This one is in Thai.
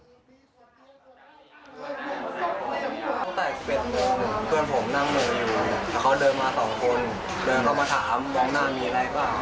รอยไส้อย่างไม่เพลี่ยน